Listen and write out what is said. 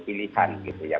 pilihan gitu ya